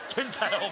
お前。